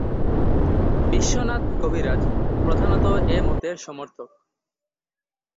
বিশ্বনাথ কবিরাজ প্রধানত এ মতের সমর্থক।